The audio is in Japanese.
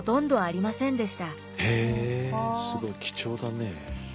すごい貴重だね。